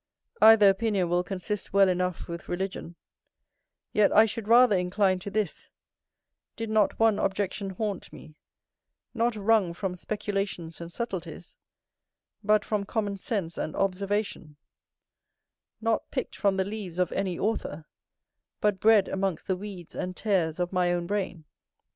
Either opinion will consist well enough with religion: yet I should rather incline to this, did not one objection haunt me, not wrung from speculations and subtleties, but from common sense and observation; not pick'd from the leaves of any author, but bred amongst the weeds and tares of my own brain.